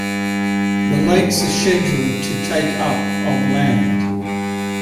The lakes are scheduled to take up of land.